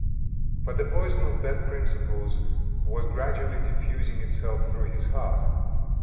But the poison of bad principles was gradually diffusing itself through his heart.